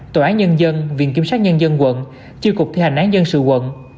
tòa án nhân dân viện kiểm sát nhân dân quận chiêu cục thế hành án dân sự quận